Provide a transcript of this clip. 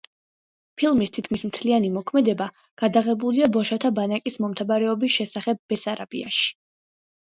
ფილმის თითქმის მთლიანი მოქმედება გადაღებულია ბოშათა ბანაკის მომთაბარეობის შესახებ ბესარაბიაში.